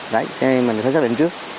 đấy mình phải xác định trước